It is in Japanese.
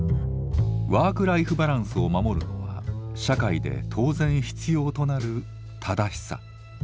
ワークライフバランスを守るのは社会で当然必要となる「正しさ」。